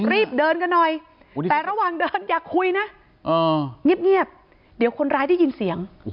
รีบเดินกันหน่อยแต่ระหว่างเดินอย่าคุยนะเงียบเดี๋ยวคนร้ายได้ยินเสียง